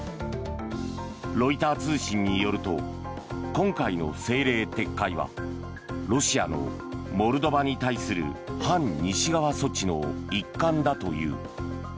ロイター通信によると今回の政令撤回はロシアのモルドバに対する反西側措置の一環だという。